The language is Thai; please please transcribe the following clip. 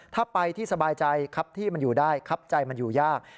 ถ้าไปที่สบายใจครับที่มันอยู่ได้ครับใจมันอยู่ยาก